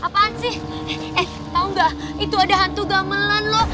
apaan sih itu ada hantu gamelan loh